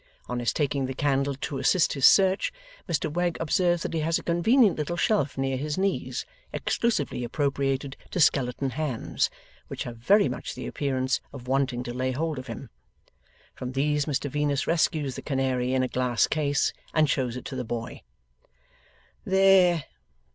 On his taking the candle to assist his search, Mr Wegg observes that he has a convenient little shelf near his knees, exclusively appropriated to skeleton hands, which have very much the appearance of wanting to lay hold of him. From these Mr Venus rescues the canary in a glass case, and shows it to the boy. 'There!